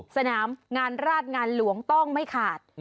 สนามงานราชงานหลวงต้องไม่ขาด